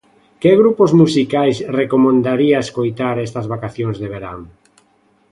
Que grupos musicais recomendaría escoitar estas vacacións de verán?